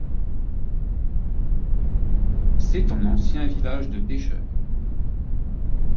C'est un ancien village de pêcheurs.